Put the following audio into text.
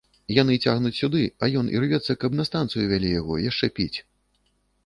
Яны цягнуць сюды, а ён ірвецца, каб на станцыю вялі яго яшчэ піць.